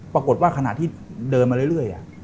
ปรากฏว่าขณะที่เดินมาเรื่อย